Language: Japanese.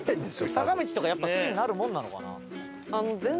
坂道とかやっぱ好きになるものなのかな？